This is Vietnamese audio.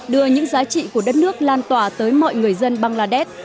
đưa những giá trị của đất nước lan tỏa tới mọi người dân bangladesh